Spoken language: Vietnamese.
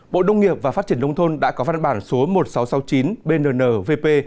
bộ đông nghiệp và phát triển nông thôn đã có văn bản số một nghìn sáu trăm sáu mươi chín bnnvp